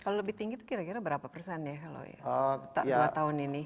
kalau lebih tinggi itu kira kira berapa persen ya kalau dua tahun ini